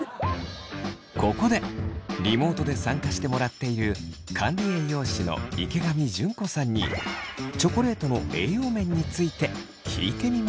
ここでリモートで参加してもらっている管理栄養士の池上淳子さんにチョコレートの栄養面について聞いてみました。